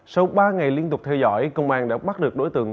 sau ba ngày liên tục theo dõi công an đã bắt được đối tượng